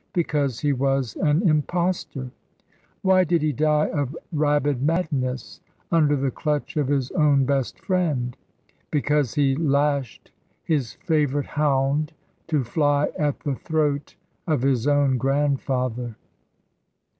Because he was an impostor. Why did he die of rabid madness, under the clutch of his own best friend? Because he lashed his favourite hound to fly at the throat of his own grandfather.